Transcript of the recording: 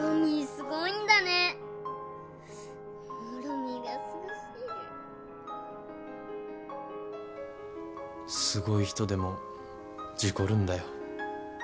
すごい人でも事故るんだよ。